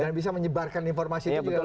dan bisa menyebarkan informasi itu juga